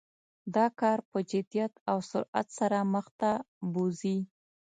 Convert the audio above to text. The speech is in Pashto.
دا کار په جدیت او سرعت سره مخ ته بوزي.